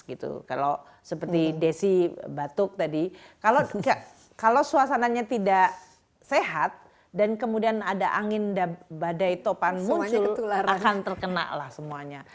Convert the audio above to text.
kalau seperti desi batuk tadi kalau suasananya tidak sehat dan kemudian ada angin badai topan muncul akan terkena lah semuanya